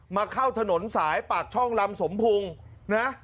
เข้าถนนสายปากช่องลำสมพุงนะ